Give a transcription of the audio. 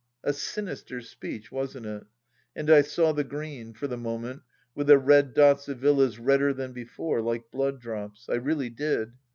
A sinister speech, wasn't it ? And I saw the green, for the moment, with the red dots of villas redder than before, like blood drops ... I really did.